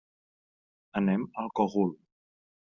Anem al Cogul.